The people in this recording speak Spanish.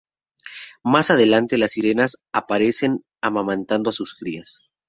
Más adelante las sirenas aparecen amamantando a sus crías.